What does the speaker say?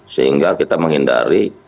sehingga kita menghindari